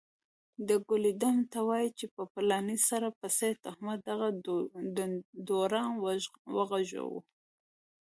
دکلي ډم ته وايي چي په پلاني سړي پسي دتهمت دغه ډنډوره وغږوه